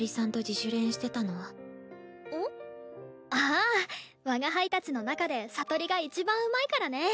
ああ我が輩たちの中で聡里がいちばんうまいからね。